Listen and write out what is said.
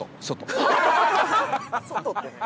「外」って何？